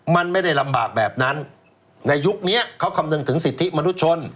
มันไม่ได้ลำบากแบบนั้นในยุคนี้เขาคำนึงถึงสิทธิมนุษยชน